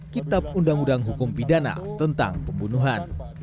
kitab undang undang hukum pidana tentang pembunuhan